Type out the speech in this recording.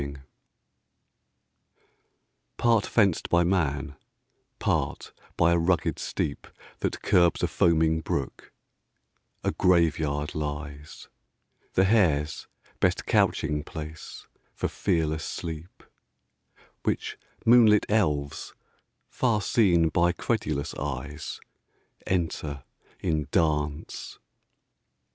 ] Part fenced by man, part by a rugged steep That curbs a foaming brook, a Grave yard lies; The hare's best couching place for fearless sleep; Which moonlit elves, far seen by credulous eyes, Enter in dance.